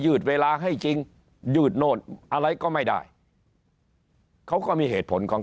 ืดเวลาให้จริงยืดโน่นอะไรก็ไม่ได้เขาก็มีเหตุผลของ